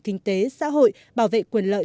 kinh tế xã hội bảo vệ quyền lợi